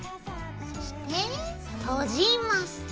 そして閉じます。